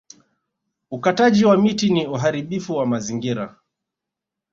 Ukataji wa miti ni uharibifu wa mazingira